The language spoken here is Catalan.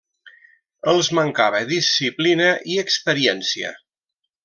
Els mancava disciplina i experiència.